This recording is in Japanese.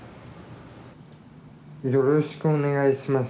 よろしくお願いします。